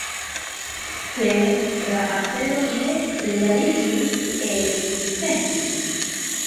Sed, la afero ne realiĝis kiel ili pensis.